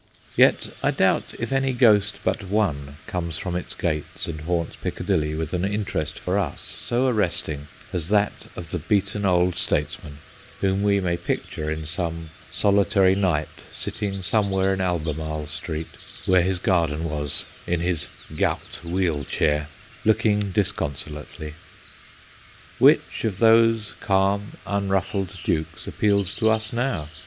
Yet I doubt if any ghost but one comes from its gates and haunts Picca dilly with an interest for us so arresting as that of the beaten old statesman, whom we may picture in some solitary night sitting somewhere in Albemarle Street, where his garden was, in his 'gowt wheel chair/ look ing disconsolately. Which of those calm, unruffled dukes appeals to us now?